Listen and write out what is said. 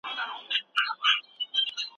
آیا لاسونه تر پښو ډېر کار کوي؟